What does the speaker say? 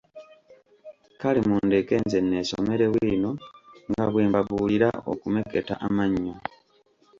kale mundeke nze neesomere bwino nga bwe mbabuulira okumeketa amannyo.